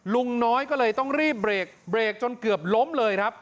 ลุงน้อยก็เลยต้องรีบเบรกเบรกจนเกือบล้มเลยครับ